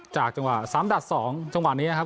จากจังหวะ๓ดัอ๒จังหวะนี้ครับ